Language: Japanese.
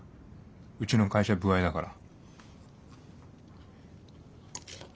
うちの会社歩合だから。